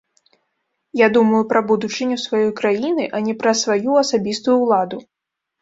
Я думаю пра будучыню сваёй краіны, а не пра сваю асабістую ўладу.